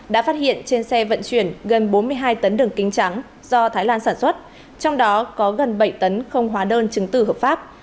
đã phát hiện trên xe vận chuyển gần bốn mươi hai tấn đường kính trắng do thái lan sản xuất trong đó có gần bảy tấn không hóa đơn chứng tử hợp pháp